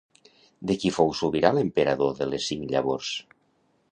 De qui fou sobirà l'Emperador de les cinc llavors?